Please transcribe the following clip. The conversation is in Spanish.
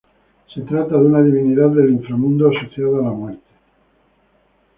Se trata de una divinidad del inframundo asociada a la muerte.